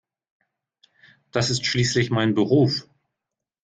Das ist schließlich mein Beruf.